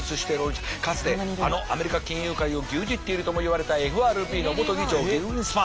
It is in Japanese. かつてあのアメリカ金融界を牛耳っているともいわれたＦＲＢの元議長グリーンスパン。